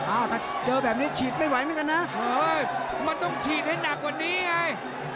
ถ้าเจอแบบนี้ฉีดไม่ไหวเหมือนกันนะมันต้องฉีดให้หนักกว่านี้ไง